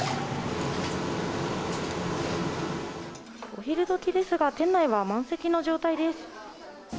お昼どきですが、店内は満席の状態です。